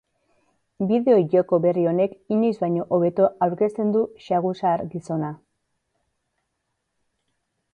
Bideo-joko berri honek inoiz baino hobeto aurkezten du saguzar gizona.